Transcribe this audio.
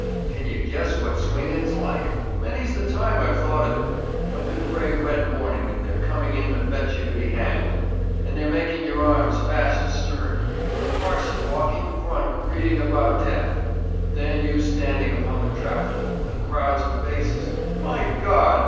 Can ye guess what swinging's like? Many's the time I've thought of it of the gray, wet morning, and their coming in to fetch you to be hanged, and their making your arms fast astern, with a parson walking in front reading about death; then the standing upon the trap door, and the crowds of faces my God!